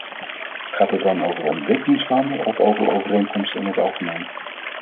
Gaat het dan over ontwikkelingslanden of over overeenkomsten in het algemeen?